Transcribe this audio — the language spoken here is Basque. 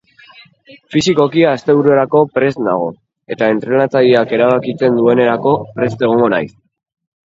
Fisikoki astebururako prest nago, eta entrenatzaileak erabakitzen duenerako prest egongo naiz.